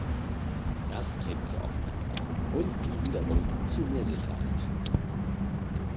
Das trägt zur Offenheit bei, und die wiederum zu mehr Sicherheit.